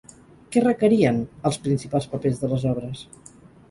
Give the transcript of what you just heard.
Què requerien els principals papers de les obres?